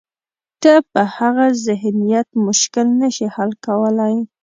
ته په هغه ذهنیت مشکل نه شې حل کولای.